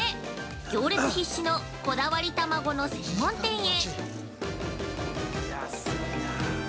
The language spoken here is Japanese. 行列必至のこだわりたまごの専門店へ！